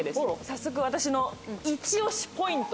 早速私の一押しポイント。